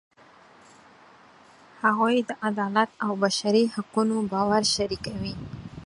هغوی د عدالت او بشري حقونو باور شریکوي.